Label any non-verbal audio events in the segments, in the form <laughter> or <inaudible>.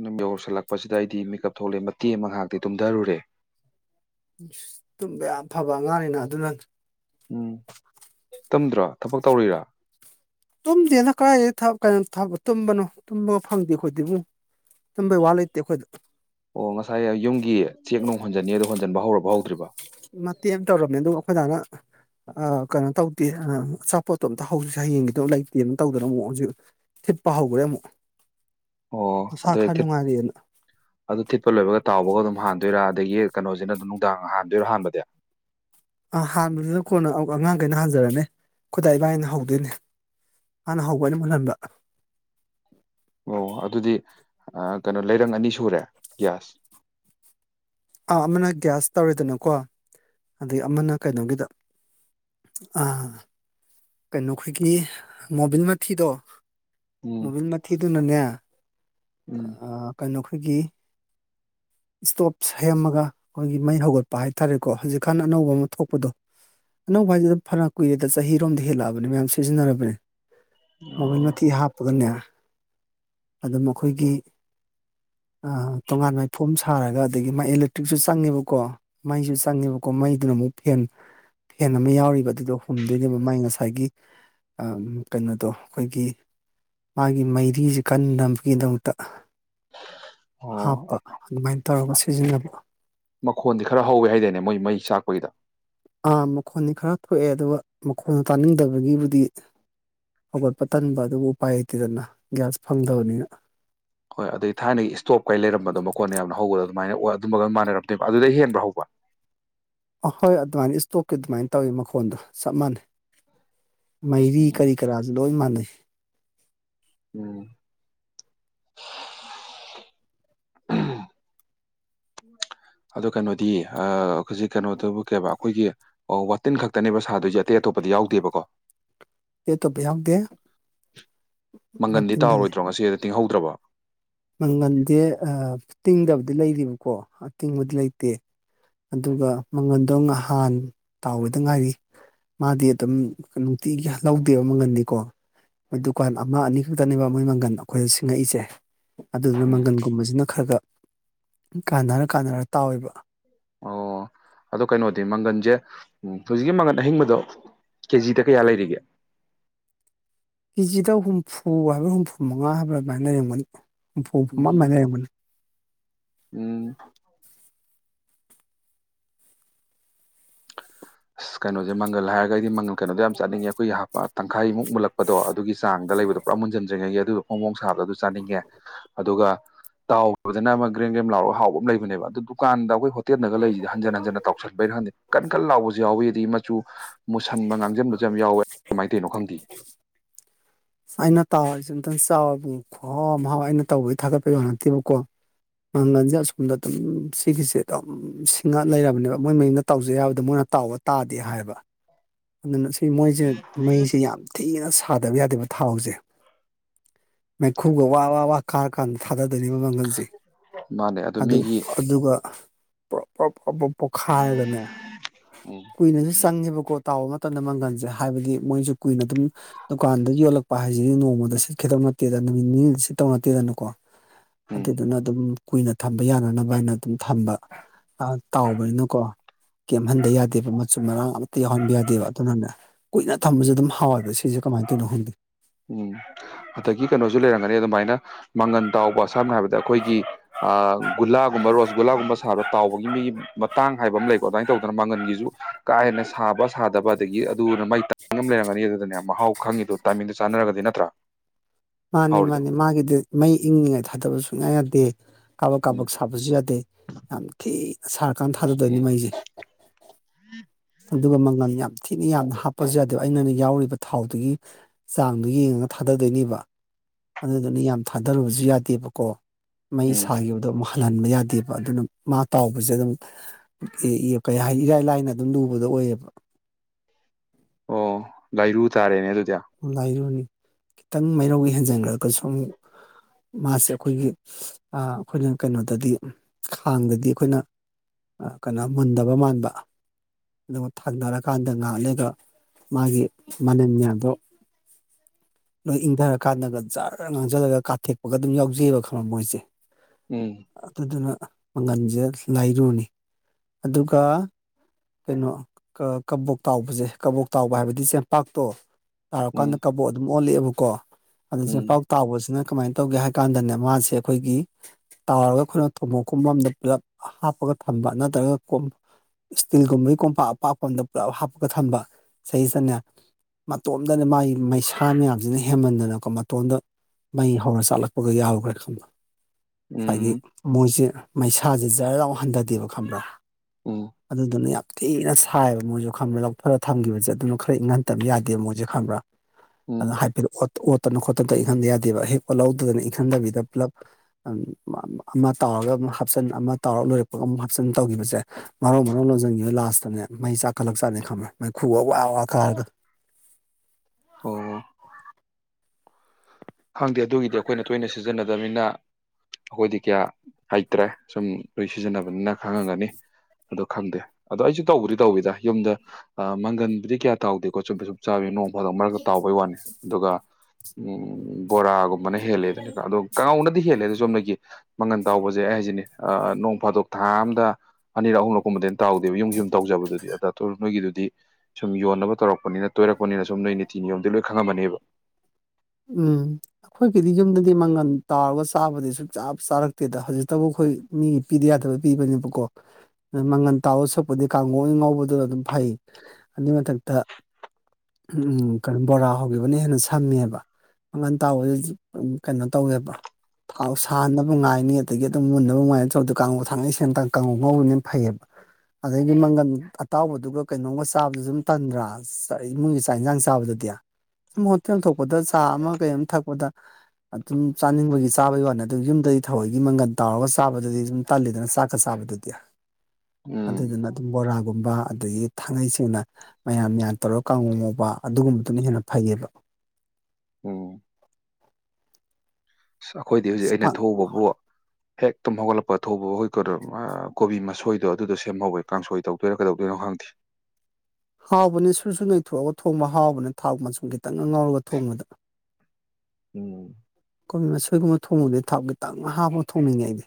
ꯑꯗꯨꯝ ꯌꯧꯁꯜꯂꯛꯄꯁꯤꯗ ꯑꯩꯗꯤ ꯃꯤꯀꯞ ꯊꯣꯛꯂꯛꯑꯦ ꯃꯇꯦꯛ ꯑꯃ ꯉꯥꯏꯍꯥꯛꯇꯤ ꯇꯨꯝꯊꯔꯨꯔꯦ ꯑꯁ ꯇꯨꯝꯕ ꯌꯥꯝ ꯐꯕ ꯑꯉꯥꯡꯅꯤ ꯅ ꯑꯗꯨꯅꯅꯤ ꯎꯝ ꯇꯨꯝꯗ꯭ꯔꯣ ꯊꯕꯛ ꯇꯧꯔꯤꯔ ꯇꯨꯝꯗꯦꯗ ꯀꯔꯥꯏꯗꯩ ꯊ ꯀꯩꯅꯣ ꯊꯕ ꯇꯨꯝꯕꯅꯣ ꯇꯨꯝꯕꯒ ꯐꯪꯗꯦ ꯈꯣꯏꯗꯤ ꯕꯨꯡꯉꯣ ꯇꯨꯝꯕꯩ ꯋꯥ ꯂꯩꯇꯦ ꯑꯈꯣꯏꯗ ꯑꯣ ꯉꯁꯥꯏ ꯌꯨꯝꯒꯤ ꯆꯦꯛ ꯅꯨꯡ ꯍꯣꯟꯖꯟꯅꯦꯗꯣ ꯍꯣꯟꯖꯤꯟꯕ ꯍꯧꯔꯕꯣ ꯍꯧꯗ꯭ꯔꯤꯕꯣ ꯃꯇꯦꯡ ꯇꯧꯔꯝꯃꯦ ꯑꯗꯨꯒ ꯑꯈꯣꯏ ꯗꯥꯅ ꯑ ꯀꯅꯣ ꯇꯧꯗꯦ ꯑ ꯑꯆꯥꯄꯣꯠꯇꯣ ꯑꯝꯇ ꯍꯧꯔꯨꯆꯣ ꯍꯌꯦꯡꯒꯤꯗꯣ ꯂꯩꯇꯦꯅ ꯇꯧꯗꯅ ꯑꯃꯨꯛ ꯍꯨꯖꯤꯛ ꯊꯤꯠꯄ ꯍꯧꯒ꯭ꯔꯦ ꯑꯃꯨꯛ ꯑꯣ ꯃꯁꯥ ꯈꯔ ꯑꯗꯨꯑꯣꯏꯊꯦ ꯅꯨꯡꯉꯥꯏꯔꯦꯅ ꯑꯗꯨ ꯊꯤꯠꯄ ꯂꯣꯏꯕꯒ ꯇꯥꯎꯕꯒ ꯑꯗꯨꯝ ꯍꯥꯟꯗꯣꯏꯔꯥ ꯑꯗꯒꯤ ꯀꯅꯣꯖꯤꯅ ꯑꯗꯨꯝ ꯅꯨꯡꯗꯥꯡ ꯍꯥꯟꯗꯣꯏꯔ ꯍꯥꯟꯕꯗꯤ ꯑ ꯍꯥꯟꯕꯗꯨꯅ ꯀꯣꯟꯅ ꯑꯉꯥꯡꯒꯩꯅ ꯍꯥꯟꯖꯔꯅꯤ ꯈꯣꯗꯥ ꯏꯕꯥꯥꯏꯅꯤꯅ ꯍꯧꯗꯣꯏꯅꯤ ꯃꯥꯅ ꯍꯧꯕ ꯑꯩꯅ ꯃꯨꯜꯍꯟꯕ ꯑꯣ ꯑꯗꯨꯗꯤ ꯑ ꯀꯅꯣ ꯂꯩꯔꯪ ꯑꯅꯤ ꯁꯨꯔꯦ ꯒ꯭ꯌꯥꯁ ꯑꯥ ꯑꯃꯅ ꯒ꯭ꯌꯥꯁ ꯇꯧꯔꯦꯗꯅꯀꯣ ꯑꯗꯩ ꯑꯃꯅ ꯀꯩꯅꯣꯒꯤꯗ ꯑꯥ ꯀꯩꯅꯣ ꯈꯣꯏꯒꯤ ꯃꯣꯕꯤꯟ ꯃꯊꯤꯗꯣ ꯎꯝ ꯃꯣꯕꯤꯟ ꯃꯊꯤꯗꯨꯅꯅꯦ ꯑ ꯎꯝ ꯀꯩꯅꯣ ꯈꯣꯏꯒꯤ ꯏꯁꯇꯣꯞ ꯁꯦꯝꯃꯒ ꯈꯣꯏꯒꯤ ꯃꯩ ꯍꯧꯒꯠꯄ ꯍꯥꯏꯇꯥꯔꯦꯀꯣ ꯍꯨꯖꯤꯛꯀꯥꯟ ꯑꯅꯧꯕ ꯃ ꯊꯣꯛꯄꯗꯣ ꯑꯅꯧꯕ ꯍꯥꯏꯖꯤꯗ ꯐꯅ ꯀꯨꯏꯔꯦꯗ ꯆꯍꯤꯔꯣꯝꯗꯤ ꯍꯦꯜꯂꯛꯑꯕꯅꯤ ꯃꯌꯥꯝ ꯁꯤꯖꯤꯟꯅꯔꯕꯅꯦ ꯃꯣꯕꯤꯟ ꯑꯣ ꯃꯊꯤ ꯍꯥꯞ ꯄꯒꯅꯦ ꯑꯗꯨꯝ ꯑꯈꯣꯏꯒꯤ ꯑ ꯇꯣꯉꯥꯟꯅ ꯐꯣꯝ ꯊꯥꯔꯒ ꯑꯗꯒꯤ ꯃꯥꯥꯏ ꯑꯦꯂꯦꯛꯇ꯭ꯔꯤꯛꯆꯨ ꯆꯪꯉꯦꯕꯀꯣ ꯃꯩꯖꯨ ꯆꯪꯉꯦꯕꯀꯣ ꯃꯩꯗꯨꯅ ꯃꯨꯛ ꯐꯦꯟ ꯐꯦꯟ ꯑꯃ ꯌꯥꯎꯔꯤꯕ ꯑꯗꯨꯗꯣ ꯍꯨꯝꯗꯣꯏ ꯅꯦꯕ ꯃꯥꯏ ꯉꯁꯥꯏꯒꯤ ꯑꯥꯝ ꯀꯩꯅꯣꯗꯣ ꯈꯣꯏꯒꯤ ꯃꯥꯒꯤ ꯃꯩꯔꯤꯖꯤ ꯀꯟꯅꯕꯒꯤꯗꯃꯛꯇ ꯍꯥꯞꯄ ꯑꯣ ꯑꯗꯨꯃꯥꯏꯟ ꯇꯧꯔꯒ ꯁꯤꯖꯤꯟꯅꯕ ꯃꯈꯣꯟꯗꯤ ꯈꯔ ꯍꯧꯋꯦ ꯍꯥꯏꯗꯥꯏꯅꯦ ꯃꯣꯏ ꯃꯩ ꯆꯥꯛꯄꯒꯤꯗꯣ ꯑꯥ ꯃꯈꯣꯟꯗꯤ ꯈꯔ ꯊꯣꯛꯑꯦ ꯑꯗꯨꯒ ꯃꯈꯣꯟ ꯇꯥꯅꯤꯡꯗꯕꯒꯤꯕꯨꯗꯤ ꯍꯧꯒꯠꯄ ꯇꯟꯕ ꯑꯗꯨꯕꯨ ꯎꯄꯥꯏ ꯂꯩꯇꯦꯗꯅ ꯒ꯭ꯌꯥꯁ ꯐꯪꯗꯕꯅꯤꯅ ꯍꯣꯏ ꯑꯗꯩ ꯊꯥꯏꯅꯒꯤ ꯏꯁꯇꯣꯞ ꯀꯩ ꯂꯩꯔꯝꯕꯗꯣ ꯃꯈꯣꯟꯅ ꯌꯥꯝꯅ ꯍꯧꯕꯗꯣ ꯑꯗꯨꯃꯥꯏꯅ ꯑꯣꯏ ꯑꯗꯨꯝꯕꯒ ꯃꯥꯟꯅꯔꯝꯅꯦꯕ ꯑꯗꯨꯗꯩ ꯍꯦꯟꯕ꯭ꯔꯣ ꯍꯧꯕ ꯑꯍꯣꯏ ꯑꯗꯨꯃꯥꯏꯅ ꯏꯁꯇꯣꯛꯀꯤ ꯗꯨꯃꯥꯏꯅ ꯇꯧꯋꯤ ꯃꯈꯣꯟꯗꯣ ꯆꯞ ꯃꯥꯟꯅꯩ ꯃꯩꯔꯤ ꯀꯔꯤ ꯎꯝ ꯀꯔꯤ ꯇꯦꯔꯥꯖꯨ ꯂꯣꯏ ꯃꯥꯟꯅꯩ ꯎꯝ ꯑꯗꯣ ꯀꯩꯅꯣꯗꯤ ꯑꯥ ꯍꯧꯖꯤꯛ ꯀꯩꯅꯣ ꯗꯨꯕꯨ ꯀꯩꯕ ꯑꯩꯈꯣꯏꯒꯤ ꯑꯣ ꯋꯥꯇꯤꯟ ꯈꯛꯇꯅꯦꯕ ꯁꯥꯗꯣꯏꯖꯦ ꯑꯇꯩ ꯑꯇꯣꯞꯄꯗꯤ ꯌꯥꯎꯗꯦꯕꯀꯣ ꯇꯩ ꯇꯣꯞꯄ ꯌꯥꯎꯗꯦ ꯃꯪꯒꯟꯗꯤ ꯃꯇꯤꯟꯗꯅꯤ ꯇꯥꯔꯣꯏꯗ꯭ꯔꯣ ꯉꯁꯤ ꯇꯤꯡꯍꯧꯗ꯭ꯔꯕꯣ ꯃꯪꯒꯟꯖꯦ ꯑꯥ ꯇꯤꯡꯗꯕꯗꯤ ꯂꯩꯔꯤꯕꯀꯣ ꯑꯇꯤꯡꯕꯗꯤ ꯂꯩꯇꯦ ꯑꯗꯨꯒ ꯃꯪꯒꯟꯗꯣ ꯉꯥꯍꯥꯟ ꯇꯥꯎꯒꯤꯗ ꯉꯥꯏꯔꯤ ꯃꯥꯗꯤ ꯑꯗꯨꯝ ꯅꯨꯡꯇꯤꯒꯤ ꯂꯧꯗꯦꯕ ꯃꯪꯒꯟꯗꯤꯀꯣ ꯗꯨꯀꯥꯟ ꯑꯃ ꯑꯅꯤ ꯈꯛꯇꯅꯦꯕ ꯃꯣꯏ ꯃꯪꯒꯟ ꯑꯈꯣꯏꯗ ꯁꯤꯡꯉꯛꯏꯖꯦ ꯑꯗꯨꯗꯨꯅ ꯎꯝ. ꯃꯪꯒꯟꯒꯨꯝꯕꯖꯤꯅ ꯈꯔꯒ ꯀꯥꯟꯅꯔ ꯀꯥꯟꯅꯔ ꯇꯥꯎꯋꯦꯕ ꯑꯣ ꯑꯗꯣ ꯀꯩꯅꯣꯗꯤ ꯃꯪꯒꯟꯖꯦ ꯎꯝ ꯍꯧꯖꯤꯛꯀꯤ ꯃꯪꯒꯟ ꯑꯍꯤꯡꯕꯗꯣ ꯀꯦꯖꯤꯗ ꯀꯌꯥ ꯂꯩꯔꯤꯒꯦ ꯀꯦꯖꯤꯗ ꯍꯨꯝꯐꯨ ꯍꯥꯏꯕ꯭ꯔ ꯍꯨꯝꯐꯨ ꯃꯉꯥ ꯍꯥꯏꯕ꯭ꯔ ꯗꯩꯃꯥꯏ ꯂꯩꯔꯝꯒꯅꯤ ꯍꯨꯝꯐꯨ ꯍꯨꯝꯐꯨꯃꯉꯥ ꯎꯝ ꯃꯥꯏ ꯂꯩꯔꯝꯒꯅꯤ ꯎꯝ <inaudible> ꯑꯁ ꯀꯩꯅꯣꯖꯦ ꯃꯪꯒꯜ ꯍꯥꯏꯔꯒ ꯑꯩꯗꯤ ꯃꯅꯣ ꯀꯩꯅꯣꯗꯣ ꯌꯥꯝ ꯆꯥꯅꯤꯡꯉꯦ ꯑꯩꯈꯣꯏꯒꯤ ꯍꯥꯞꯄ ꯇꯪꯈꯥꯏꯃꯨꯛ ꯃꯨꯜꯂꯛꯄꯗꯣ ꯑꯗꯨꯒꯤ ꯆꯥꯡꯗ ꯂꯩꯕꯗꯣ ꯄꯨꯔꯥ ꯃꯨꯟꯖꯟꯗ꯭ꯔꯤꯉꯩꯒꯤ ꯑꯗꯨ ꯐꯣꯡ ꯐꯣꯡ ꯁꯥꯕꯗꯣ ꯑꯗꯨ ꯆꯥꯅꯤꯡꯉꯦ ꯑꯗꯨꯒ ꯇꯥꯎꯕꯗꯅ ꯑꯃ ꯒ꯭ꯔꯦꯝ ꯒꯦꯝ ꯂꯥꯎꯔꯒ ꯍꯥꯎꯕ ꯑꯝ ꯂꯩꯕꯅꯦꯕ ꯑꯗꯨ ꯗꯨꯀꯥꯟꯗ ꯑꯩꯈꯣꯏ ꯍꯣꯇꯦꯜꯗꯒ ꯂꯩꯖꯤꯗꯤ ꯍꯟꯖꯟ ꯍꯟꯖꯟꯅ ꯇꯥꯎꯁꯟꯕꯩꯔ ꯈꯪꯗꯦ ꯀꯟ ꯀꯟ ꯂꯥꯎꯕꯖꯨ ꯌꯥꯎꯋꯤ ꯑꯗꯩ ꯃꯆꯨ ꯃꯨꯁꯟꯕ ꯉꯥꯡꯖꯟꯕꯖꯨ ꯌꯥꯝ ꯌꯥꯎꯋꯦ ꯀꯃꯥꯏ ꯇꯣꯏꯅꯣ ꯈꯪꯗꯤ ꯑꯩꯅ ꯇꯥꯎꯔꯤꯖꯤ ꯑꯝꯇꯪ ꯆꯥꯎ ꯏꯕꯨ ꯈꯨꯍꯥꯎ ꯑꯃ ꯍꯥꯎꯋꯦ ꯑꯩꯅ ꯇꯧꯕꯩ ꯊꯥꯒꯠꯄꯩ ꯋꯥ ꯅꯠꯇꯦꯕꯀꯣ ꯃꯪꯒꯜꯖꯦ ꯑꯁꯣꯝꯗ ꯑꯗꯨꯝ ꯁꯤꯒꯤꯁꯦ ꯑꯗꯨꯝ ꯁꯤꯡꯉꯛ ꯂꯩꯔꯕꯅꯦꯕ ꯃꯣꯏ ꯃꯌꯨꯝꯗ ꯇꯥꯎꯖ ꯌꯥꯕꯗꯣ ꯃꯣꯏꯅ ꯇꯥꯎ ꯇꯥꯗꯦ ꯍꯥꯏꯕ ꯑꯗꯨꯅ ꯁꯤ ꯃꯣꯏꯖꯦ ꯃꯩꯖꯦ ꯌꯥꯝ ꯊꯤꯅ ꯁꯥꯗꯕ ꯌꯥꯗꯦꯕ ꯊꯥꯎꯖꯦ ꯃꯩꯈꯨꯒ ꯋꯥ ꯋꯥ ꯋꯥ ꯀꯥꯔꯀꯥꯟꯗ ꯊꯥꯗꯗꯣꯏꯅꯦꯕ ꯃꯪꯒꯜꯖꯦ ꯃꯥꯅꯦ ꯑꯗꯣ ꯑꯗꯨ ꯃꯤꯒꯤ ꯑꯗꯨꯒ ꯄ꯭ꯔꯣꯞ ꯄ꯭ꯔꯣꯞ ꯄ꯭ꯔꯣꯞ ꯄ꯭ꯔꯣꯞ ꯄ꯭ꯔꯣꯞ ꯄꯣꯛꯈꯥꯏꯔꯗꯅꯦ ꯎꯝ ꯀꯨꯏꯅꯖꯨ ꯆꯪꯉꯦꯕꯀꯣ ꯇꯥꯎꯕ ꯃꯇꯝꯗ ꯃꯪꯒꯟꯖꯦ ꯍꯥꯏꯕꯗꯤ ꯃꯣꯏꯖꯨ ꯀꯨꯏꯅ ꯑꯗꯨꯝ ꯗꯨꯀꯥꯟꯗ ꯌꯣꯜꯂꯛ ꯄꯥ ꯍꯥꯏꯖꯤꯗꯤ ꯅꯣꯡꯃꯗ ꯁꯤꯠꯈꯤꯗꯧ ꯅꯠꯇꯦꯗꯅ ꯅꯨꯃꯤꯠ ꯅꯤꯅꯤꯗ ꯁꯤꯠꯇꯧ ꯅꯠꯇꯦꯗꯅꯀꯣ ꯎꯝ ꯑꯗꯨꯗꯨꯅ ꯑꯗꯨꯝ ꯀꯨꯏꯅ ꯊꯝꯕ ꯌꯥꯅꯅꯕ ꯍꯥꯏꯅ ꯑꯗꯨꯝ ꯊꯝꯕ ꯑꯥ ꯇꯥꯎꯕꯅꯤꯅꯀꯣ ꯀꯦꯝꯍꯟꯗ ꯌꯥꯗꯦꯕ ꯃꯆꯨꯝ ꯃꯔꯥꯡ ꯑꯃꯇ ꯌꯥꯎꯍꯟꯕ ꯌꯥꯗꯦꯕ ꯑꯗꯨꯅꯅꯦ ꯀꯨꯏꯅ ꯊꯝꯃꯖꯨ ꯑꯗꯨꯝ ꯍꯥꯎꯋꯦꯕ ꯁꯤꯖꯦ ꯀꯃꯥꯏ ꯇꯣꯏꯅꯣ ꯈꯪꯗꯦ ꯎꯝ ꯑꯗꯒꯤ ꯀꯩꯅꯣꯖꯨ ꯂꯩꯔꯝꯒꯅꯤ ꯑꯗꯨꯃꯥꯏꯅ ꯃꯪꯒꯟ ꯇꯥꯎꯕ ꯁꯝꯅ ꯍꯥꯏꯕꯗ ꯑꯩꯈꯣꯏꯒꯤ ꯑꯥ ꯒꯨꯂꯥꯒꯨꯝꯕ ꯔꯣꯁ ꯒꯨꯂꯥꯒꯨꯝꯕ ꯁꯥꯕ ꯇꯥꯎꯕꯒꯤ ꯃꯤꯒꯤ ꯃꯇꯥꯡ ꯍꯥꯏꯕ ꯑꯝ ꯂꯩꯀꯣ ꯑꯗꯨꯃꯥꯏ ꯇꯧꯗꯅ ꯃꯪꯒꯟꯒꯤꯖꯨ ꯀꯥ ꯍꯦꯟꯅ ꯁꯥꯕ ꯁꯥꯗꯕ ꯑꯗꯒꯤ ꯑꯗꯨꯅ ꯃꯩ ꯇꯥ ꯑꯝ ꯂꯩꯔꯝꯒꯅꯤ ꯑꯗꯨꯗꯅꯦ ꯃꯍꯥꯎ ꯈꯪꯉꯤꯗꯣ ꯇꯥꯏꯃꯤꯡ ꯆꯥꯟꯅꯔꯒꯗꯤ ꯅꯠꯇ꯭ꯔꯥ ꯃꯥꯅꯦ ꯍꯥꯎꯔꯤꯗꯣ ꯃꯥꯅꯦ ꯃꯥꯒꯤꯗꯤ ꯃꯩ ꯏꯪꯉꯤꯉꯥꯏ ꯊꯥꯗꯕ ꯁꯨꯡꯌꯥ ꯌꯥꯗꯦ ꯀꯥꯕꯛ ꯎꯝ ꯀꯥꯕꯛ ꯁꯥꯕꯖꯨ ꯌꯥꯗꯦ ꯌꯥꯝ ꯊꯤꯅ ꯁꯥꯔꯀꯥꯟ ꯊꯥꯗꯗꯣꯏꯅꯤ ꯎꯝ ꯃꯩꯖꯦ ꯑꯗꯨꯒ ꯃꯪꯒꯟ ꯌꯥꯝ ꯊꯤꯅ ꯌꯥꯝꯅ ꯍꯥꯞꯄꯖꯨ ꯌꯥꯗꯦꯕ ꯑꯩꯅꯅꯦ ꯌꯥꯎꯔꯤꯕ ꯊꯥꯎꯗꯨꯒꯤ ꯆꯥꯡꯗꯣ ꯌꯦꯡꯉꯒ ꯊꯥꯗꯗꯣꯏꯅꯦꯕ ꯑꯗꯨꯗꯨꯅ ꯌꯥꯝ ꯊꯥꯗꯔꯨꯕꯖꯨ ꯌꯥꯗꯦꯕꯀꯣ ꯃꯩ ꯎꯝ ꯁꯥꯒꯤꯕꯗꯣ ꯑꯃꯨ ꯍꯜꯍꯟꯕ ꯌꯥꯗꯦꯕ ꯑꯗꯨꯅ ꯃꯥ ꯇꯥꯎꯕꯖꯦ ꯑꯗꯨꯝ ꯀꯩ ꯍꯥꯏꯅꯤ ꯏꯔꯥꯏ ꯂꯥꯏꯅ ꯗꯨꯝ ꯂꯨꯕꯗꯣ ꯑꯣꯏꯌꯦꯕ ꯑꯣ ꯂꯥꯏꯔꯨ ꯇꯥꯔꯦꯅꯦ ꯑꯗꯨꯗꯤ ꯂꯥꯏꯔꯨꯅꯤ ꯈꯤꯇꯪ ꯃꯩꯔꯧ ꯍꯦꯟꯖꯟꯒ꯭ꯔꯒꯁꯨꯝ ꯃꯥꯁꯦ ꯑꯩꯈꯣꯏꯒꯤ ꯑꯥ ꯑꯩꯈꯣꯏꯅ ꯀꯩꯅꯣꯗꯗꯤ ꯈꯥꯡꯗꯗꯤ ꯑꯩꯈꯣꯏꯅ ꯑ ꯀꯅꯥ ꯃꯨꯟꯗꯕ ꯃꯥꯟꯕ ꯑꯗꯨꯒ ꯊꯥꯡꯅꯔꯀꯥꯟꯗ ꯉꯥꯜꯂꯒ ꯃꯥꯒꯤ ꯃꯅꯤꯟ ꯃꯌꯥꯝꯗꯣ ꯂꯣꯏ ꯏꯪꯊꯔ ꯀꯥꯟꯗꯒꯥ ꯖꯔꯒ ꯉꯥꯡꯁꯤꯜꯂꯒ ꯀꯥꯊꯦꯛꯄꯒ ꯑꯗꯨꯝ ꯌꯥꯎꯖꯩꯑꯕ ꯈꯪꯕ ꯃꯣꯏꯁꯦ ꯎꯝ ꯑꯗꯨꯗꯨꯅ ꯃꯪꯒꯟꯁꯦ ꯂꯥꯏꯔꯨꯅꯤ ꯑꯗꯨꯒ ꯀꯩꯅꯣ ꯑ ꯀꯕꯣꯛ ꯇꯥꯎꯕꯁꯦ ꯀꯕꯣꯛ ꯇꯥꯎꯕ ꯍꯥꯏꯕꯗꯤ ꯆꯦꯝꯄꯥꯛꯇꯣ ꯇꯥꯎꯔꯀꯥꯟꯗ ꯎꯝ ꯀꯕꯣꯛ ꯑꯗꯨꯝ ꯑꯣꯜꯂꯛꯑꯦꯕꯀꯣ ꯑꯗꯨ ꯎꯝ ꯆꯦꯝꯄꯥꯎ ꯇꯥꯎꯕꯁꯤꯅ ꯀꯃꯥꯏꯅ ꯇꯧꯒꯦ ꯍꯥꯏ ꯀꯥꯟꯗꯅꯦ ꯃꯥꯁꯦ ꯑꯩꯈꯣꯏꯒꯤ ꯇꯥꯎꯔꯒ ꯑꯩꯈꯣꯏꯅ ꯊꯨꯃꯣꯛ ꯀꯨꯝꯕ ꯑꯝꯗ ꯄꯨꯜꯂꯞ ꯍꯥꯞꯄꯒ ꯊꯝꯕ ꯅꯠꯇ꯭ꯔꯒ ꯀꯣꯝ ꯏꯜꯇꯤꯜꯒꯨꯝꯕꯒꯤ ꯀꯣꯝꯄꯥꯛ ꯑꯄꯥꯛꯄ ꯑꯝꯗ ꯄꯨꯂꯞ ꯍꯥꯞꯄꯒ ꯊꯝꯕ ꯆꯍꯤꯁꯤꯅꯦ ꯃꯇꯣꯝꯗꯅ ꯃꯥꯒꯤ ꯃꯩꯁꯥ ꯃꯌꯥꯝꯁꯤꯅ ꯍꯦꯃꯟꯗꯅꯀꯣ ꯃꯇꯣꯝꯗ ꯃꯩ ꯍꯧꯔ ꯆꯥꯛꯠꯂꯛꯄꯒ ꯌꯥꯎꯈ꯭ꯔꯦ ꯈꯪꯕ ꯉꯁꯥꯏꯒꯤ ꯎꯝ ꯃꯣꯏꯁꯦ ꯃꯩꯁꯥꯁꯦ ꯖꯔ ꯂꯥꯎ ꯍꯟꯗꯗꯦꯕ ꯈꯪꯕ꯭ꯔꯥ ꯎꯝ ꯑꯗꯨꯗꯨꯅ ꯌꯥꯝ ꯊꯤꯅ ꯁꯥꯏꯑꯦꯕ ꯃꯣꯏꯁꯨ ꯈꯪꯕ꯭ꯔꯥ ꯂꯧꯊꯔ ꯊꯝꯒꯤꯕꯁꯦ ꯑꯗꯨꯅ ꯈꯔ ꯏꯪꯍꯟꯗꯕ ꯌꯥꯗꯦꯕ ꯃꯣꯏꯁꯦ ꯈꯪꯕ꯭ꯔꯥ ꯑꯗ ꯎꯝ ꯍꯥꯏꯐꯦꯠ ꯑꯣꯠꯇ ꯑꯣꯠꯇꯅ ꯈꯣꯠꯇꯇ ꯏꯪꯍꯟꯗ ꯌꯥꯗꯦꯕ ꯑꯍꯦꯛꯄ ꯂꯧꯗꯗꯅ ꯏꯪꯈꯟꯗꯕꯤꯗ ꯄꯨꯂꯞ ꯑꯃ ꯇꯥꯎꯔꯒ ꯃꯨꯛ ꯍꯥꯞꯆꯟ ꯑꯃ ꯇꯥꯎꯔꯒ ꯂꯣꯏꯔꯛꯄꯒ ꯑꯃꯨꯛ ꯍꯥꯞꯆꯤꯟ ꯇꯧꯈꯤꯕꯁꯦ ꯃꯍꯥꯎ ꯂꯣꯟ ꯂꯣꯟꯁꯟꯈꯤꯕ ꯂꯥꯁꯇꯅꯦ ꯃꯩ ꯆꯥꯛꯈꯠꯂꯛ ꯖꯥꯠꯅꯦ ꯈꯪꯕ ꯃꯩꯈꯨ ꯋꯥ ꯋꯥ ꯋꯥ ꯀꯥꯔꯒ ꯑꯣ ꯈꯪꯗꯦ ꯑꯗꯨꯒꯤꯗꯤ ꯑꯩꯈꯣꯏꯅ ꯇꯣꯏꯅ ꯁꯤꯖꯤꯟꯅꯗꯕꯅꯤꯅ ꯑꯩꯈꯣꯏꯗꯤ ꯀꯌꯥ ꯍꯩꯇ꯭ꯔꯦ ꯁꯨꯝ ꯂꯣꯏ ꯁꯤꯖꯤꯟꯅꯕꯅꯤꯅ ꯈꯪꯉꯝꯒꯅꯤ ꯑꯗꯣ ꯈꯪꯗꯦ ꯑꯗꯣ ꯑꯩꯁꯨ ꯇꯧꯕꯗꯤ ꯇꯧꯋꯤꯗ ꯌꯨꯝꯗ ꯃꯪꯒꯟꯕꯨꯗꯤ ꯀꯌꯥ ꯇꯥꯎꯗꯦꯀꯣ ꯆꯨꯝꯕ ꯁꯨꯝ ꯆꯥꯕꯤ ꯅꯣꯡ ꯐꯥꯗꯣꯛ ꯃꯔꯛꯇ ꯇꯥꯎꯕꯩ ꯋꯥꯅꯤ ꯑꯗꯨꯒ ꯎꯝ ꯕꯣꯔꯥꯒꯨꯝꯕꯅ ꯍꯦꯜꯂꯦꯗꯅꯤꯀꯣ ꯑꯗꯣ ꯀꯥꯎꯅꯗꯤ ꯍꯦꯜꯂꯦꯗꯣ ꯆꯨꯝꯅꯒꯤ ꯃꯪꯒꯟ ꯇꯥꯎꯕꯁꯦ ꯑꯩ ꯍꯥꯏꯁꯤꯅꯦ ꯑ ꯅꯣꯡ ꯐꯥꯗꯣꯛ ꯊꯥ ꯑꯝꯗ ꯑꯅꯤꯔꯛ ꯑꯍꯨꯝꯂꯛꯀꯨꯝꯕꯗꯩꯅ ꯇꯥꯎꯗꯦꯕ ꯌꯨꯝ ꯁꯨꯝ ꯇꯧꯖꯕꯗꯨꯗꯤ ꯑꯗ ꯅꯣꯏꯒꯤꯗꯨꯗꯤ ꯁꯨꯝ ꯌꯣꯟꯅꯕ ꯇꯧꯔꯛꯄ ꯄꯅꯤꯅ ꯇꯣꯏꯔꯛꯄꯅꯤꯅ ꯁꯣꯝꯗꯩ ꯅꯤꯇꯤꯅꯤꯌꯣꯝꯗꯤ ꯂꯣꯏ ꯈꯉꯂꯝꯃꯅꯦꯕ ꯎꯝ ꯑꯩꯈꯣꯏꯒꯤꯗꯤ ꯌꯨꯝꯗꯗꯤ ꯃꯪꯒꯟ ꯇꯥꯎꯔꯒ ꯆꯥꯕꯗꯤ ꯁꯨꯡ ꯆꯥꯕꯨ ꯆꯥꯔꯛꯇꯦꯗ ꯍꯧꯖꯤꯛꯇꯕꯨ ꯑꯩꯈꯣꯏ ꯃꯤꯒꯤ ꯄꯤꯗ ꯌꯥꯗꯕꯩ ꯄꯤꯕꯅꯦꯕꯀꯣ ꯃꯪꯒꯟ ꯇꯥꯎꯔ ꯁꯛꯄꯨꯗꯤ ꯀꯥꯡꯒꯧ ꯑꯣꯏꯅ ꯉꯥꯎꯕꯗꯨꯅ ꯑꯗꯨꯝ ꯐꯩ ꯑꯗꯨꯏ ꯃꯊꯛꯇ ꯎꯎꯝ ꯀꯩꯟ ꯕꯣꯔꯥ ꯍꯧꯈꯤꯕꯅ ꯍꯦꯟꯅ ꯁꯝꯃꯦꯕ ꯃꯪꯒꯟ ꯇꯥꯎꯕꯖꯤꯞ ꯀꯩꯅꯣ ꯇꯧꯋꯦꯕ ꯊꯥꯎ ꯁꯥꯍꯟꯕ ꯃꯨꯛ ꯉꯥꯏꯅꯤ ꯑꯗꯒꯤ ꯑꯗꯨꯝ ꯃꯨꯟꯅꯕ ꯉꯥꯏꯅꯤ ꯇꯧꯗ ꯀꯥꯡꯕꯨ ꯊꯥꯡꯉꯩ ꯁꯦꯡꯇ ꯀꯥꯡꯉꯧ ꯉꯧꯕꯅ ꯍꯦꯟ ꯐꯩꯌꯦꯕ ꯑꯗꯒꯤ ꯃꯪꯒꯟ ꯑꯇꯥꯎꯕꯗꯨꯒ ꯀꯩꯅꯣꯝꯒ ꯆꯥꯕꯗꯨꯁꯨ ꯑꯗꯨꯝ ꯇꯟꯗ꯭ꯔꯥ ꯑ ꯏꯃꯨꯡꯒꯤ ꯆꯥꯛ ꯌꯦꯟꯁꯥꯡ ꯆꯥꯕꯗꯗꯤ ꯁꯨꯝ ꯍꯣꯇꯦꯜ ꯊꯣꯛꯄꯗ ꯆꯥ ꯑꯃ ꯀꯩ ꯑꯃ ꯊꯛꯄꯗ ꯑꯗꯨꯝ ꯆꯥꯅꯤꯡꯕꯒꯤ ꯆꯥꯕꯩ ꯋꯥꯅꯤ ꯑꯗꯨ ꯌꯨꯝꯗꯗꯤ ꯊꯋꯣꯏꯒꯤ ꯃꯪꯒꯜ ꯇꯥꯎꯔꯒ ꯆꯥꯕꯗꯨꯗꯤ ꯑꯗꯨꯝ ꯇꯜꯂꯤꯗꯅ ꯆꯥꯛꯀ ꯆꯥꯕꯗꯨꯗꯤ ꯎꯝ ꯑꯗꯨꯗꯨꯅ ꯑꯗꯨꯝ ꯕꯣꯔꯥꯒꯨꯝꯕ ꯑꯗꯒꯤ ꯊꯥꯡꯉꯩꯁꯤꯡꯅ ꯃꯌꯥꯟ ꯃꯌꯥꯟ ꯇꯧꯔꯒ ꯀꯥꯡꯉꯧ ꯉꯧꯕ ꯑꯗꯨꯒꯨꯝꯕꯗꯨꯅ ꯍꯦꯟꯅ ꯐꯩꯌꯦꯕ ꯎꯝ ꯑꯁ ꯑꯩꯈꯣꯏꯗꯤ ꯍꯧꯖꯤꯛ ꯑꯩꯅ ꯊꯣꯛꯎꯕꯕꯨ ꯍꯦꯛ ꯇꯨꯝ ꯍꯧꯒꯠꯂꯛꯄ ꯑ ꯊꯣꯛꯎꯕꯕꯨ ꯑꯩꯈꯣꯏꯀ ꯀꯣꯕꯤ ꯃꯁꯣꯏꯗꯣ ꯑꯗꯨꯗꯣ ꯁꯦꯝꯍꯧꯋꯦ ꯀꯥꯡꯁꯣꯏ ꯇꯧꯗꯣꯏꯔꯥ ꯀꯩꯗꯧꯗꯣꯏꯅꯣ ꯈꯪꯗꯦ ꯍꯥꯎꯕꯅꯦ ꯁꯨꯔ ꯁꯨꯔ ꯅꯩꯊꯣꯛꯑꯒ ꯊꯣꯡꯕ ꯍꯥꯎꯕꯅꯦ ꯊꯥꯎ ꯃꯆꯨꯝ ꯈꯤꯇꯪꯒ ꯉꯥꯎꯔꯒ ꯊꯣꯡꯕꯗ ꯎꯝ ꯀꯣꯕꯤ ꯃꯁꯣꯏꯒꯨꯝꯕ ꯊꯣꯡꯕꯗꯤ ꯊꯥꯎꯀꯤꯇꯡ ꯍꯥꯞꯄꯒ ꯊꯣꯡꯅꯤꯡꯉꯦ ꯑꯩꯗꯤ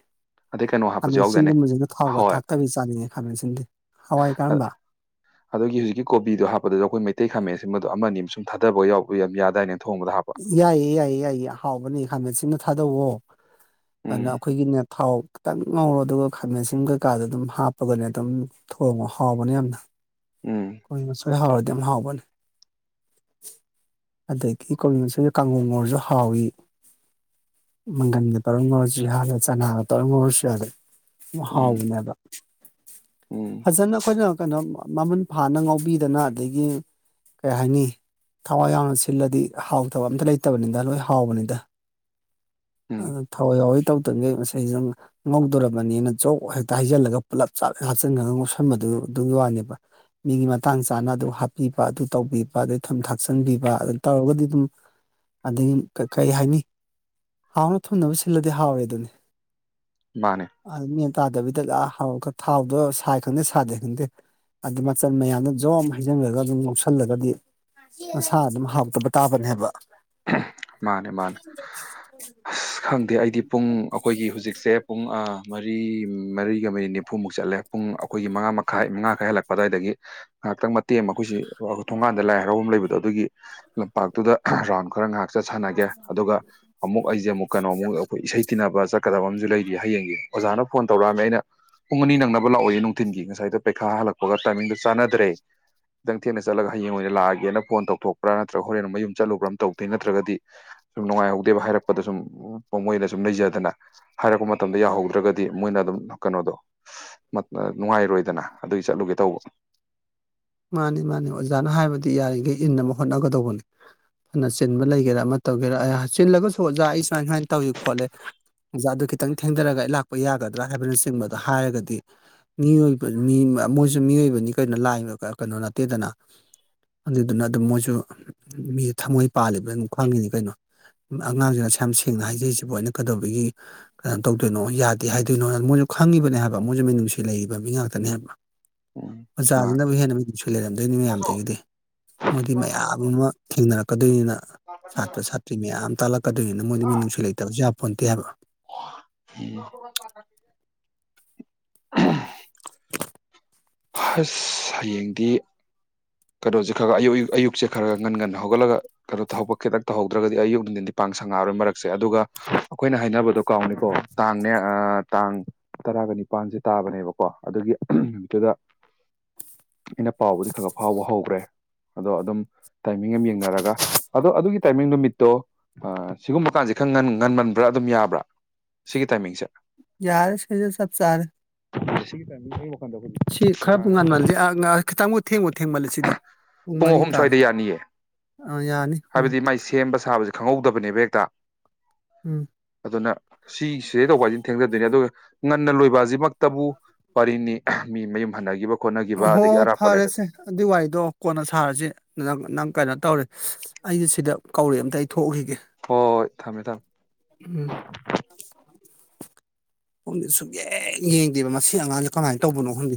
ꯑꯗꯩ ꯀꯩꯅꯣ ꯍꯥꯞꯄꯁꯨ ꯈꯥꯃꯦꯟ ꯌꯥꯎꯗꯥꯏꯅꯦ ꯑꯁꯤꯟꯒꯨꯝꯕꯁꯤꯅ ꯊꯥꯎꯒ ꯍꯣꯏ ꯊꯥꯛꯇꯕꯤ ꯆꯥꯅꯤꯡꯉꯦ ꯈꯥꯃꯦꯟ ꯑꯁꯤꯗꯤ ꯍꯋꯥꯏ ꯀꯔꯝꯕ ꯑꯗꯒꯤ ꯍꯧꯖꯤꯛꯀꯤ ꯀꯣꯕꯤꯗꯣ ꯍꯥꯞꯄꯗ ꯑꯩꯈꯣꯏ ꯃꯩꯇꯩ ꯈꯥꯃꯦꯟꯑꯁꯤꯃꯟꯕꯗꯣ ꯑꯃꯑꯅꯤ ꯁꯨꯝ ꯊꯥꯗꯕ ꯌꯥꯎꯕꯣꯏ ꯌꯥꯗꯥꯏꯅꯦ ꯊꯣꯡꯕꯗ ꯍꯥꯞ ꯌꯥꯏꯌꯦ ꯌꯥꯏꯌꯦ ꯌꯥꯏꯌꯦ ꯍꯥꯎꯕꯅꯦ ꯈꯥꯃꯦꯟ ꯑꯁꯤꯟꯕ ꯊꯥꯗꯧꯋꯣ ꯑꯅꯥ ꯎꯝ ꯑꯈꯣꯏꯒꯤꯅꯦ ꯊꯥꯎ ꯈꯤꯇꯪ ꯉꯧꯔꯣ ꯑꯗꯨꯒ ꯈꯥꯃꯦꯟꯑꯁꯤꯟꯕ ꯀꯩꯀꯥꯗꯣ ꯑꯗꯨꯝ ꯍꯥꯞꯄꯒꯅꯦ ꯑꯗꯨꯝ ꯊꯣꯡꯉꯣ ꯍꯥꯎꯕꯅꯦ ꯌꯥꯝꯅ ꯎꯝ ꯀꯣꯕꯤ ꯃꯩꯁꯣꯏ ꯍꯥꯎꯔꯗꯤ ꯌꯥꯝ ꯍꯥꯎꯕꯅꯦ ꯑꯗꯒꯤ ꯀꯣꯕꯤ ꯃꯁꯣꯏ ꯀꯥꯡꯉꯧ ꯉꯧꯔꯖꯨ ꯍꯥꯎꯋꯤ ꯃꯪꯒꯟꯒ ꯇꯧꯔꯒ ꯉꯧꯔꯖꯨ ꯌꯥꯔꯦ ꯆꯅꯥꯒ ꯇꯧꯔꯒ ꯉꯧꯔꯖꯨ ꯌꯥꯔꯦ ꯎꯝ ꯍꯥꯎꯕꯅꯦꯕ ꯎꯝ ꯐꯖꯅ ꯑꯈꯣꯏꯅ ꯀꯩꯅꯣꯝ ꯃꯃꯨꯟ ꯐꯥꯅ ꯉꯥꯎꯕꯤꯗꯅ ꯑꯗꯒꯤ ꯀꯩ ꯍꯥꯏꯅꯤ ꯊꯋꯥꯏ ꯌꯥꯎꯅ ꯁꯤꯜꯂꯗꯤ ꯍꯥꯎꯇꯕ ꯑꯝꯇ ꯂꯩꯇꯕꯅꯤꯗ ꯂꯣꯏ ꯍꯥꯎꯕꯅꯤꯗ ꯎꯝ ꯑꯗꯨ ꯊꯋꯥꯏ ꯌꯥꯎꯋꯤ ꯇꯧꯗꯕꯉꯩ ꯃꯁꯩꯖꯤꯗ ꯅꯪꯅ ꯉꯧꯗꯣꯔꯕꯅꯤꯅ ꯖꯧ ꯍꯦꯛꯇ ꯍꯩꯖꯤꯜꯂꯒ ꯄꯨꯂꯞ ꯆꯥꯛ ꯍꯥꯞꯆꯤꯟꯒ꯭ꯔ ꯉꯧꯁꯟꯕꯗꯨ ꯑꯗꯨꯒꯤ ꯋꯥꯅꯦꯕ ꯃꯤꯒꯤ ꯃꯇꯥꯡ ꯆꯥꯅ ꯑꯗꯨ ꯍꯥꯞꯄꯤꯕ ꯑꯗꯨ ꯇꯧꯕꯤꯕ ꯑꯗꯩ ꯊꯨꯝ ꯊꯥꯛꯆꯟꯕꯤꯕ ꯑꯗꯨ ꯇꯧꯔꯒꯗꯤ <unintelligible> ꯑꯗꯩ ꯀ ꯀꯩꯍꯥꯏꯅꯤ ꯍꯥꯎꯅ ꯊꯨꯝꯅꯕ ꯁꯤꯜꯂꯗꯤ ꯍꯥꯎꯋꯦ ꯗꯨꯅꯤ ꯃꯥꯅꯤ ꯑꯥ ꯃꯦꯟ ꯇꯥꯗꯕꯤꯗ <unintelligible> ꯊꯥꯎꯗꯣ ꯁꯥꯏ ꯈꯪꯗꯦ ꯁꯥꯗꯦ ꯈꯪꯗꯦ ꯑꯗꯨ ꯃꯆꯜ ꯃꯌꯥꯝꯗꯣ ꯖꯣꯝ ꯍꯩꯖꯤꯟꯒ꯭ꯔꯒꯥ ꯑꯗꯨꯝ ꯉꯧꯁꯜꯂꯒꯗꯤ ꯃꯁꯥ ꯑꯗꯨꯝ ꯍꯥꯎꯇꯕ ꯇꯥꯕꯅꯦꯕ ꯃꯥꯅꯤ ꯃꯥꯅꯤ ꯑꯁ ꯈꯪꯗꯦ ꯑꯩꯗꯤ ꯄꯨꯡ ꯑꯩꯈꯣꯏꯒꯤ ꯍꯨꯖꯤꯛꯁꯦ ꯄꯨꯡ ꯑꯥ ꯃꯔꯤ ꯃꯔꯤꯒ ꯃꯤꯅꯤꯠ ꯅꯤꯐꯨꯃꯨꯛ ꯆꯠꯂꯦ ꯄꯨꯡ ꯑꯈꯣꯏꯒꯤ ꯃꯉꯥ ꯃꯈꯥꯏ ꯃꯉꯥ ꯈꯔꯥ ꯍꯦꯜꯂꯛꯄ ꯑꯗꯨꯋꯥꯏꯗꯒꯤ ꯉꯛꯇꯪ ꯃ ꯇꯦꯝ ꯑꯩꯈꯣꯏꯁꯤ ꯊꯣꯡꯒꯥꯟꯗ ꯂꯥꯏ ꯍꯔꯥꯎꯕꯝ ꯂꯩꯕꯗꯣ ꯑꯗꯨꯒꯤ ꯂꯝꯄꯥꯛꯇꯨꯗ ꯔꯥꯎꯟ ꯈꯔ ꯉꯥꯛ ꯆꯠ ꯁꯥꯟꯅꯒꯦ ꯑꯗꯨꯒ ꯑꯃꯨꯛ ꯑꯩꯖꯦ ꯑꯃꯨꯛ ꯀꯩꯅꯣꯃꯨꯛ ꯑꯈꯣꯏ ꯏꯁꯩ ꯇꯤꯟꯅꯕ ꯆꯠꯀꯗꯕ ꯑꯃꯖꯨ ꯂꯩꯔꯤ ꯍꯌꯦꯡꯒꯤ ꯑꯣꯖꯥꯅ ꯐꯣꯟ ꯇꯧꯔꯛꯑꯝꯃꯦ ꯑꯩꯅ ꯄꯨꯡ ꯑꯅꯤ ꯅꯪꯅꯕ ꯂꯥꯛꯑꯣꯌꯦ ꯅꯨꯡꯊꯤꯟꯒꯤ ꯉꯁꯥꯏꯗꯣ ꯄꯩꯈꯥ ꯍꯜꯂꯛꯄꯒ ꯇꯥꯏꯃꯤꯡꯗꯣ ꯆꯥꯟꯅꯗ꯭ꯔꯦ ꯈꯤꯇꯪ ꯊꯦꯡꯅ ꯆꯠꯂꯒ ꯍꯌꯦꯡ ꯑꯣꯏꯅ ꯂꯥꯛꯑꯒꯦꯅ ꯐꯣꯟ ꯇꯧꯊꯣꯛꯄ꯭ꯔ ꯅꯠꯇ꯭ꯔꯒ ꯍꯣꯔꯦꯟ ꯃꯌꯨꯝ ꯆꯠꯂꯨꯕ꯭ꯔ ꯑꯃ ꯇꯧꯗꯣꯏ ꯅꯤ ꯅꯠ ꯅꯠꯇ꯭ꯔꯒꯗꯤ ꯁꯨꯝ ꯅꯨꯡꯉꯥꯏꯍꯧꯗꯦꯕ ꯍꯥꯏꯔꯛꯄꯗ ꯁꯨꯝ ꯃꯣꯏꯗ ꯁꯨꯝ ꯂꯩꯖꯗꯅ ꯍꯥꯏꯔꯛꯄ ꯃꯇꯝꯗ ꯌꯥꯍꯧꯗ꯭ꯔꯒꯗꯤ ꯃꯣꯏꯅ ꯑꯗꯨꯝ ꯀꯅꯣꯗꯣ <unintelligible> ꯅꯨꯡꯉꯥꯏꯔꯣꯏꯗꯅ ꯑꯗꯨꯒꯤ ꯆꯠꯂꯨꯒꯦ ꯇꯧꯕ ꯃꯥꯅꯤ ꯃꯥꯅꯤ ꯑꯣꯖꯥꯅ ꯍꯥꯏꯕꯗꯤ ꯌꯥꯔꯤꯒꯩ ꯏꯟꯅꯕ ꯍꯣꯠꯅꯒꯗꯧꯕꯅꯤ ꯐꯅ ꯆꯤꯟꯕ ꯂꯩꯒꯦꯔꯥ ꯑꯃ ꯇꯧꯒꯦꯔꯥ <unintelligible> ꯆꯜꯂꯒꯁꯨ ꯑꯣꯖꯥ ꯑꯩ ꯁꯨꯃꯥꯏ ꯁꯨꯃꯥꯏꯅ ꯇꯧꯋꯤ ꯈꯣꯠꯂꯦ ꯑꯣꯖꯥ ꯑꯗꯨ ꯈꯤꯇꯪ ꯊꯦꯡꯗꯔꯒ ꯑꯩ ꯂꯥꯛꯄ ꯌꯥꯒꯗ꯭ꯔꯥ ꯍꯥꯏꯕꯅꯆꯤꯡꯕꯗꯣ ꯍꯥꯏꯔꯒꯗꯤ ꯃꯤꯑꯣꯏꯕ ꯃꯤ ꯃꯣꯏꯖꯨ ꯃꯤꯑꯣꯏꯕꯅꯤ ꯀꯩꯅꯣ ꯂꯥꯏ <unintelligible> ꯀꯩꯅꯣ ꯅꯠꯇꯦꯗꯅ ꯑꯗꯨꯗꯨꯅ ꯑꯗꯨꯝ ꯃꯣꯏꯖꯨ ꯃꯤ ꯊꯃꯣꯏ ꯄꯥꯜꯂꯤꯕ <unintelligible> ꯈꯪꯉꯤꯅꯤ ꯀꯩꯅꯣ ꯑꯉꯥꯡꯁꯤꯅ ꯁꯨꯌꯥꯝ ꯁꯦꯡꯅ ꯍꯥꯏꯖꯩꯁꯤꯕꯨ ꯑꯅ ꯀꯗꯧꯕꯒꯤ ꯀꯩꯅꯣ ꯇꯧꯗꯣꯏꯅꯣ ꯌꯥꯗꯦ ꯍꯥꯏꯗꯣꯏꯅꯣ ꯃꯣꯏꯖꯨ ꯈꯪꯉꯤꯕꯅꯦ ꯍꯥꯏꯕ ꯃꯣꯏꯖꯨ ꯃꯤꯅꯨꯡꯁꯤ ꯂꯩꯔꯤꯕ ꯃꯤ ꯉꯥꯛꯇꯅꯦ ꯍꯥꯏꯕ ꯎꯝ ꯃꯥꯅꯦ ꯑꯣꯖꯥꯖꯤꯅꯕꯨ ꯍꯦꯟꯅ ꯃꯤꯅꯨꯡꯁꯤ ꯂꯩꯔꯝꯗꯣꯏꯅꯤ ꯃꯌꯥꯝꯗꯒꯤ ꯃꯣꯏꯗꯤ ꯃꯌꯥꯝ ꯑꯃ ꯊꯦꯡꯅꯔꯛꯀꯗꯣꯏꯅꯤꯅ ꯁꯥꯇ꯭ꯔ ꯁꯥꯇ꯭ꯔꯤ ꯃꯌꯥꯝ ꯇꯥꯛꯂꯛ ꯀꯗꯣꯏꯅꯤꯅ ꯃꯣꯏꯗꯤ ꯃꯤꯅꯨꯡꯁꯤ ꯂꯩꯇꯕꯖꯨ ꯌꯄꯣꯟꯇꯦ ꯍꯥꯏꯕ <unintelligible> ꯍꯥꯁ ꯍꯌꯦꯡꯗꯤ ꯀꯩꯅꯣꯖꯦ ꯈꯥꯒ ꯑꯌꯨꯛ ꯑꯌꯨꯛ ꯑꯌꯨꯛꯁꯦ ꯈꯔ ꯉꯟ ꯉꯟꯅ ꯍꯧꯒꯠꯂꯒ ꯀꯅꯣ ꯊꯕꯛ ꯈꯤꯇꯪ ꯇꯧꯍꯧꯗ꯭ꯔꯒꯗꯤ ꯑꯌꯨꯛ ꯅꯨꯡꯗꯤꯟꯗꯤ ꯄꯥꯡ ꯁꯪꯉꯛꯑꯔꯣꯏ ꯃꯔꯛꯁꯦ ꯑꯗꯨꯒ ꯑꯩꯈꯣꯏꯅ ꯍꯥꯏꯅꯕꯗꯣ ꯀꯥꯎꯅꯤꯀꯣ ꯇꯥꯡꯅꯦ ꯑꯥ ꯇꯥꯡ ꯇꯔꯥꯒꯅꯤꯄꯥꯥꯟꯖꯦ ꯇꯥꯕꯅꯦꯕꯀꯣ ꯑꯗꯨꯒꯤ ꯅꯨꯃꯤꯠꯇꯨꯗ <inaudible> ꯑꯩꯅ ꯄꯥꯎꯒꯖꯦ ꯈꯥꯒꯞ ꯍꯧꯒ꯭ꯔꯦ ꯑꯗꯣ ꯑꯗꯨꯝ ꯇꯥꯏꯃꯤꯡ ꯑꯃ ꯌꯦꯡꯅꯔꯒ ꯑꯗꯣ ꯑꯗꯨꯒꯤ ꯇꯥꯏꯃꯤꯡ ꯅꯨꯃꯤꯠꯇꯣ ꯑꯥ ꯁꯤꯒꯨꯝꯕ ꯀꯥꯟꯖꯦ ꯈꯔ ꯉꯟꯃꯟꯕ꯭ꯔꯥ ꯑꯗꯨꯝ ꯌꯥꯕ꯭ꯔꯥ ꯁꯤꯒꯤ ꯇꯥꯏꯃꯤꯡꯁꯦ ꯌꯥꯔꯦ ꯁꯤꯖꯦ ꯆꯞ ꯆꯥꯔꯦ ꯁꯤꯒꯤ ꯇꯥꯏꯃꯤꯡ <unintelligible> ꯁꯤ ꯈꯔꯕꯨ ꯑꯩꯈꯣꯏ ꯉꯟꯃꯜꯂꯤ ꯑꯥ ꯉ ꯈꯤꯇꯪꯕꯨ ꯊꯦꯡꯕꯨ ꯊꯦꯡꯃꯜꯂꯤ ꯁꯤꯗꯤ ꯄꯨꯡ ꯃꯔꯤ ꯑꯍꯨꯝ ꯁ꯭ꯋꯥꯏꯗ ꯇꯥꯔꯦ ꯌꯥꯅꯤꯌꯦ ꯑꯥ ꯌꯥꯅꯤ ꯎꯝ ꯍꯥꯏꯕꯗꯤ ꯃꯥꯏ ꯁꯦꯝꯕ ꯁꯥꯕꯖꯦ ꯈꯪꯍꯧꯗꯕꯅꯦꯕ ꯍꯦꯇꯥ ꯎꯝ ꯑꯗꯨꯅ ꯁꯤ ꯁꯤꯗꯩꯗ ꯋꯥꯏꯗꯩ ꯊꯦꯡꯗꯗꯣꯏꯅꯦ ꯑꯗꯨꯒ ꯉꯟꯅ ꯂꯣꯏꯕꯥꯖꯤꯃꯛꯇꯕꯨ ꯋꯥꯔꯤꯅꯤ ꯃꯤ ꯃꯌꯨꯝ ꯍꯟꯅꯒꯤꯕ ꯈꯣꯠꯅꯒꯤꯕ ꯑꯗꯒꯤ ꯍꯣ ꯑꯔꯥꯞꯄ ꯂꯩꯔꯖꯨ ꯐꯔꯦꯁꯦ ꯑꯗꯨꯏ ꯋꯥꯔꯤꯗꯣ ꯀꯣꯟꯅ ꯁꯥꯔꯖꯤ ꯅꯝ ꯅꯪ ꯀꯩꯅꯣ ꯇꯧꯔꯦ ꯑꯩꯖꯦ ꯁꯤꯗ ꯀꯧꯔꯦ ꯑꯝꯇ ꯑꯩ ꯊꯣꯛꯎꯒꯤꯒꯦ ꯍꯣ ꯍꯣꯏ ꯊꯝꯃꯦ ꯊꯝꯃꯦ ꯎꯝ ꯄꯨꯡꯖꯨ ꯁꯨꯛꯌꯦꯡ ꯌꯦꯡꯗꯦꯕ ꯃꯁꯤ ꯑꯉꯥꯡꯖꯦ ꯀꯃꯥꯏꯅ ꯇꯧꯕꯅꯣ ꯈꯪꯗꯦ